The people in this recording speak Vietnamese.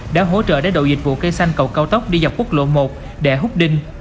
đã hỗ trợ đạo dịch vụ cây xanh cầu cao tốc đi dọc quốc lộ một để hút đinh